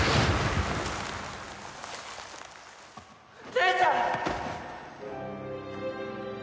姉ちゃん！